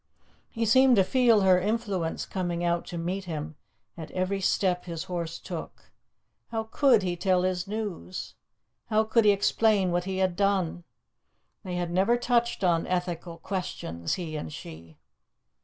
He seemed to feel her influence coming out to meet him at every step his horse took. How could he tell his news? How could he explain what he had done? They had never touched on ethical questions, he and she.